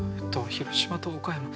広島と岡山